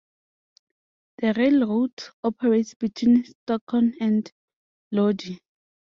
The railroad operates between Stockton and Lodi.